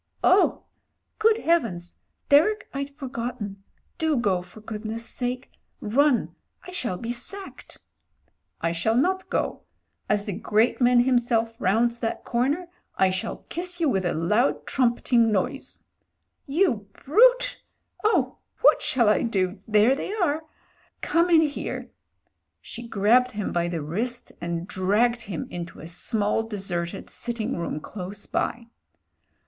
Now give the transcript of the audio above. "Oh! good Heavens. Derek, I'd forgotten. Do go, for goodness' sake. Run — I shall be sacked." 232 MEN, WOMEN AND GUNS ''I shall not go. As the great man himself romids that corner I shall kiss you with a loud trumpeting noise." "You brute! Oh! what shall I do?— there they are. Come in here." She grabbed him by the wrist and dragged him into a small deserted sitting room close by.